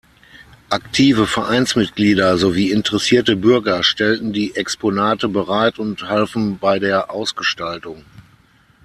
Aktive Vereinsmitglieder sowie interessierte Bürger stellten die Exponate bereit und halfen bei der Ausgestaltung.